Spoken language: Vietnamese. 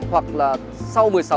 hoặc là sau một mươi sáu h